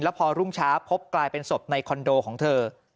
พอรุ่งเช้าพบกลายเป็นศพในคอนโดของเธอ